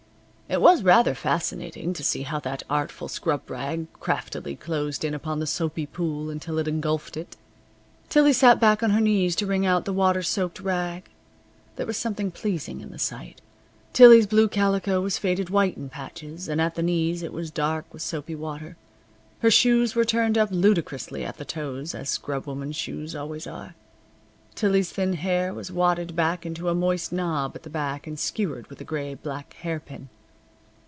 It was rather fascinating to see how that artful scrub rag craftily closed in upon the soapy pool until it engulfed it. Tillie sat back on her knees to wring out the water soaked rag. There was something pleasing in the sight. Tillie's blue calico was faded white in patches and at the knees it was dark with soapy water. Her shoes were turned up ludicrously at the toes, as scrub women's shoes always are. Tillie's thin hair was wadded back into a moist knob at the back and skewered with a gray black hairpin.